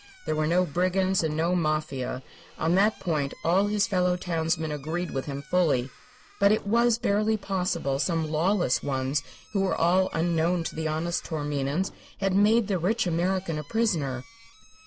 There were no brigands and no Mafia; on that point all his fellow townsmen agreed with him fully. But it was barely possible some lawless ones who were all unknown to the honest Taorminians had made the rich American a prisoner.